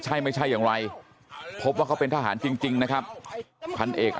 ใช่ไม่ใช่อย่างไรพบว่าเขาเป็นทหารจริงนะครับพันเอก